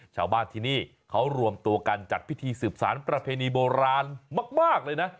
ชาวบ้านที่นี่เขารวมตัวกันจัดพิธีสืบสารประเพณีโบราณมากเลยนะ